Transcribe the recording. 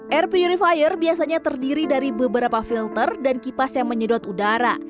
air purifier biasanya terdiri dari beberapa filter dan kipas yang menyedot udara